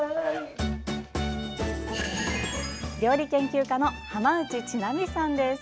料理研究家の浜内千波さんです。